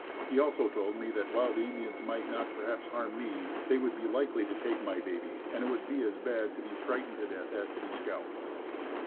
He also told me that while the Indians might not perhaps harm me they would be likely to take my baby and it would be as bad to be frightened to death as to be scalped.